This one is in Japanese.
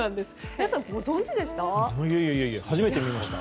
皆さん、ご存じでした？